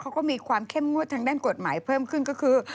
เขาก็มีความเข้มงวดทางด้านกฎหมายเพิ่มขึ้นก็คือ